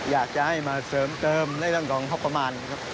อยากจะให้มาเสริมเติมได้รังกลางพอประมาณครับ